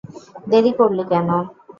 দেরি করলি কেন?